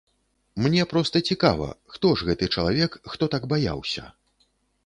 Мне проста цікава, хто ж гэты чалавек, хто так баяўся.